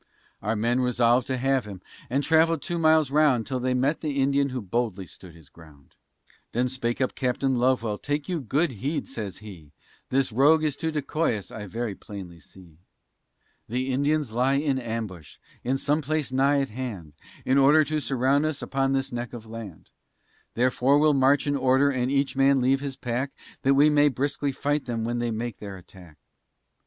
Our men resolv'd to have him, and travell'd two miles round, Until they met the Indian, who boldly stood his ground; Then spake up Captain Lovewell, "Take you good heed," says he, "This rogue is to decoy us, I very plainly see. "The Indians lie in ambush, in some place nigh at hand, In order to surround us upon this neck of land; Therefore we'll march in order, and each man leave his pack That we may briskly fight them, when they make their attack."